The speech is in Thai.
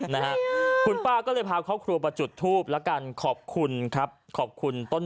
นะฮะคุณป้าก็เลยพาครอบครัวมาจุดทูปแล้วกันขอบคุณครับขอบคุณต้น